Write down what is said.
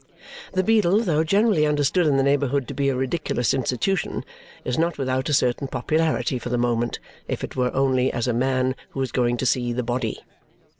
The beadle, though generally understood in the neighbourhood to be a ridiculous institution, is not without a certain popularity for the moment, if it were only as a man who is going to see the body.